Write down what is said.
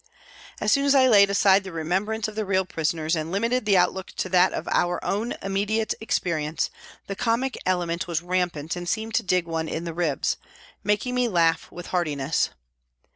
As soon as I laid aside the remembrance of the real prisoners and limited the outlook to that of our own immediate experience, the comic element was rampant and seemed to dig one in the ribs, making me laugh with heartiness.